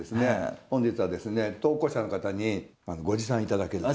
本日は投稿者の方にご持参頂けると。